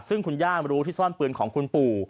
ซึ่งคุณย่ารู้ที่ซ่อนปืนของคุณปู่